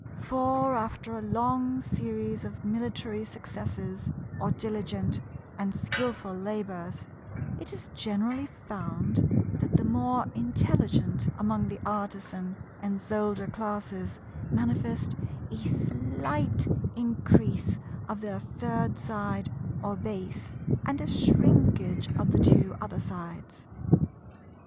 For, after a long series of military successes, or diligent and skillful labours, it is generally found that the more intelligent among the Artisan and Soldier classes manifest a slight increase of their third side or base, and a shrinkage of the two other sides.